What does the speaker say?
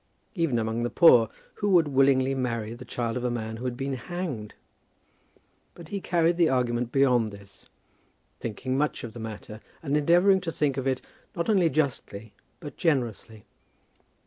Even among the poor, who would willingly marry the child of a man who had been hanged? But he carried the argument beyond this, thinking much of the matter, and endeavouring to think of it not only justly, but generously.